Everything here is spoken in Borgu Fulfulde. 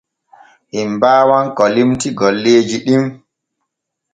En baawan ko limti golleeji ɗin.